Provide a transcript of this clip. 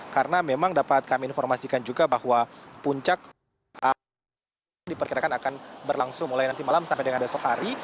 karena memang dapat kami informasikan juga bahwa puncak arus mudik yang diperkirakan akan berlangsung mulai nanti malam sampai dengan besok hari